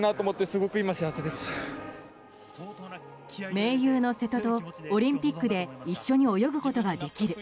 盟友の瀬戸とオリンピックで一緒に泳ぐことができる。